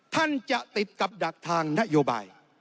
ท่านจะติดกับดักทางนโยบาย